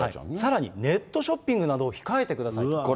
さらにネットショッピングなどを控えてくださいと。